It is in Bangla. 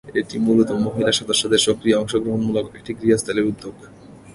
এটি মূলত মহিলা সদস্যদের সক্রিয় অংশগ্রহণমূলক একটি গৃহস্থালী উদ্যোগ।